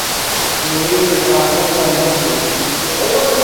یوویئی ڤراݱین لنڈیک ای